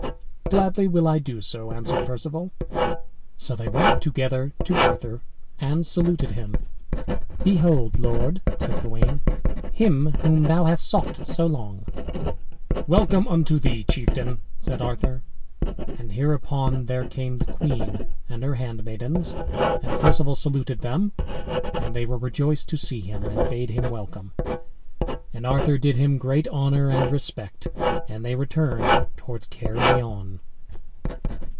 "Gladly will I do so," answered Perceval. So they went together to Arthur, and saluted him. "Behold, lord," said Gawain, "him whom thou hast sought so long." "Welcome unto thee, chieftain," said Arthur. And hereupon there came the queen and her handmaidens, and Perceval saluted them. And they were rejoiced to see him, and bade him welcome. And Arthur did him great honor and respect and they returned towards Caerleon.